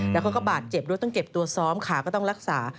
แล้วเขาก็บาดเจ็บด้วยต้องเก็บตัวซ้อมขาก็ต้องรักษา